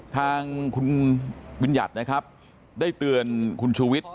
ทางคุณวิญญัติได้เตือนคุณชุวิทธิ์